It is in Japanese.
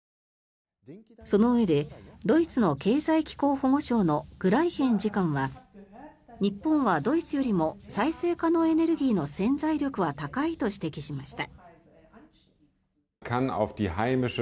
そのうえでドイツの経済・気候保護省のグライヒェン次官は日本はドイツよりも再生可能エネルギーの潜在力は高いと指摘しました。